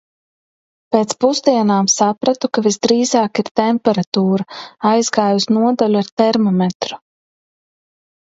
Pēc pusdienām sapratu, ka visdrīzāk ir temperatūra. Aizgāju uz nodaļu ar termometru.